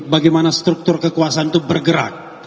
bagaimana struktur kekuasaan itu bergerak